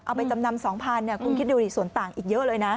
ไปจำนำ๒๐๐คุณคิดดูดิส่วนต่างอีกเยอะเลยนะ